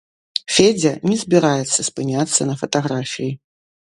Федзя не збіраецца спыняцца на фатаграфіі.